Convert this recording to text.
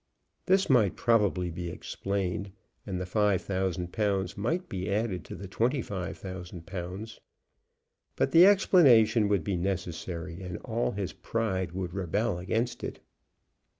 This might probably be explained, and the five thousand pounds might be added to the twenty five thousand pounds. But the explanation would be necessary, and all his pride would rebel against it.